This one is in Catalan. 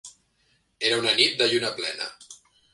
Era una nit de lluna plena.